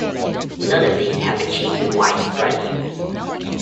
None of these have achieved widespread use.